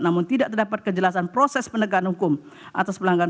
namun tidak terdapat kejelasan proses penegakan hukum atas pelanggaran